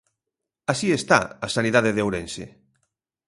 Así está a sanidade de Ourense.